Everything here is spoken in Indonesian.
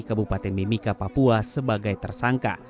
kabupaten mimika papua sebagai tersangka